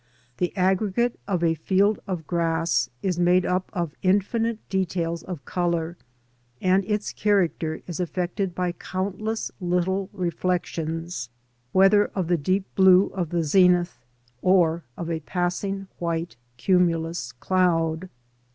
The aggregate of a field of grass is made up of infinite details of colour, and its character is affected by countless little reflections, whether of the deep blue of the zenith, or of a passing white cumulus cloud.